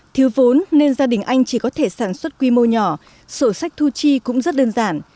thiếu vốn nên gia đình anh chỉ có thể sản xuất quy mô nhỏ sổ sách thu chi cũng rất đơn giản